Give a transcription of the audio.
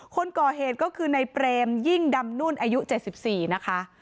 คนก่อเหตุก็คือในเปรมยิ่งดำนุ่นอายุ๗๔นะคะ